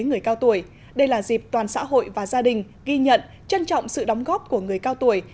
người cao tuổi đây là dịp toàn xã hội và gia đình ghi nhận trân trọng sự đóng góp của người cao tuổi